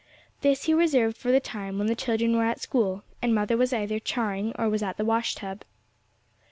This he reserved for the time when the children were at school, and mother was either charring or was at the wash tub.